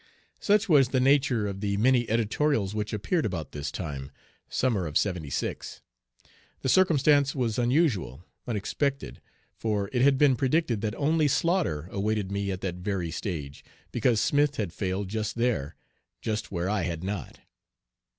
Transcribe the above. Such was the nature of the many editorials which appeared about this time, summer of '76. The circumstance was unusual, unexpected, for it had been predicted that only slaughter awaited me at that very stage, because Smith had failed just there, just where I had not.